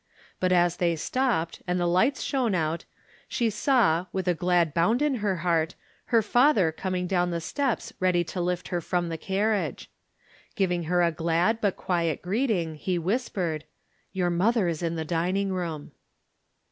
But as they stopped, and the lights shone out, she saw, with a glad bound "in her heart, her father coming down the steps ready to lift her from the carriage. Giving her a glad but quiet greeting, he whis pered :" Your mother is in the dining room."